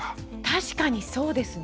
確かにそうですね。